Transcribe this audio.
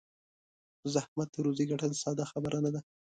په زحمت روزي ګټل ساده خبره نه ده.